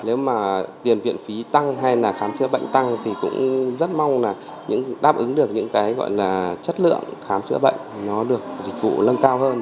nếu mà tiền viện phí tăng hay là khám chữa bệnh tăng thì cũng rất mong là đáp ứng được những cái gọi là chất lượng khám chữa bệnh nó được dịch vụ lưng cao hơn